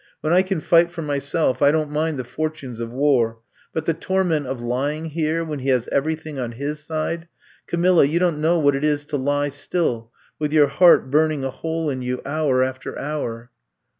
When I can fight for myself I don't mind the fortunes of war, but the torment of lying here, when he has everything on his side — Camilla, you don't know what it is to lie still, with your heart burning a hole in you, hour after hour